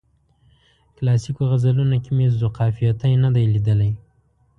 کلاسیکو غزلونو کې مې ذوقافیتین نه دی لیدلی.